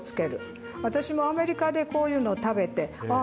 私もアメリカでこういうのを食べてああ